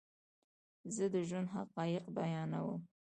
زه دژوند حقایق بیانوم